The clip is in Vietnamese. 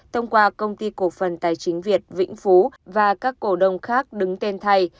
thông qua công ty cổ phần tài chính việt vĩnh phú và các cổ đồng khác đứng tên thay